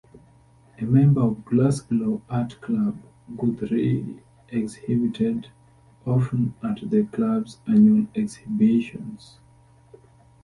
A member of Glasgow Art Club Guthrie exhibited often at the club's annual exhibitions.